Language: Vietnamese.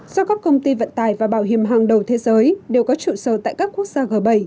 do các công ty vận tài và bảo hiểm hàng đầu thế giới đều có trụ sở tại các quốc gia g bảy